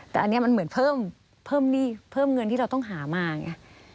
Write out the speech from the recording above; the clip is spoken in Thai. แต่อันนี้มันเหมือนเพิ่มหนี้เพิ่มเงินที่เราต้องหามาไง